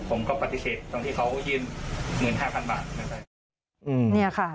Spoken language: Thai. ผมก็ปฏิเสธตอนที่เขายืนหมื่นห้าพันบาท